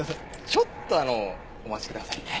ちょっとあのお待ちくださいね。